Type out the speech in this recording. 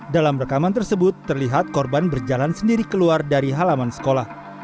dalam rekaman tersebut terlihat korban berjalan sendiri keluar dari halaman sekolah